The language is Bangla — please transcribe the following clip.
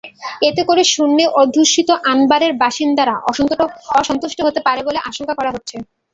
এতে করে সুন্নি-অধ্যুষিত আনবারের বাসিন্দারা অসন্তুষ্ট হতে পারে বলে আশঙ্কা করা হচ্ছে।